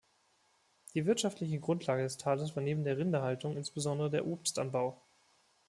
Die wirtschaftliche Grundlage des Tales war neben der Rinderhaltung insbesondere der Obstanbau.